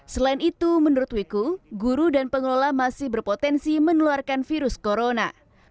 selain itu menurut wiku guru dan pengelola masih berpotensi meneluarkan virus corona